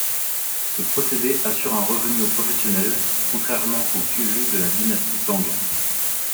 Ce procédé assure un revenu aux professionnels, contrairement au cuju de la Dynastie Tang.